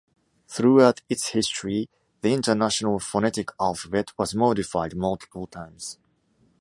Throughout its history the international phonetic alphabet was modified multiple times.